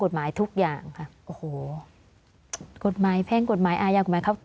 กฎหมายทุกอย่างค่ะโอ้โหกฎหมายแพ่งกฎหมายอาญากฎหมายครับ